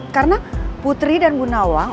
karena putri dan bu nawang